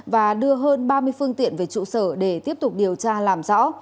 và đưa hơn ba mươi phương tiện về trụ sở để tiếp tục điều tra làm rõ